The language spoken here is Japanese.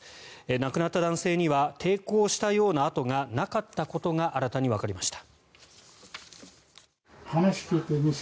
亡くなった男性には抵抗したような痕がなかったことが新たにわかりました。